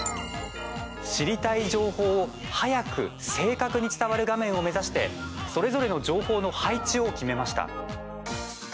知りたい情報を、早く正確に伝わる画面を目指してそれぞれの情報の配置を決めました。